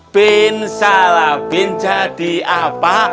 pinsalah pinsa di apa